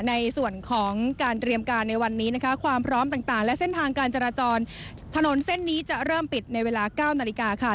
ในส่วนของการเตรียมการในวันนี้นะคะความพร้อมต่างและเส้นทางการจราจรถนนเส้นนี้จะเริ่มปิดในเวลา๙นาฬิกาค่ะ